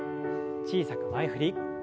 小さく前振り。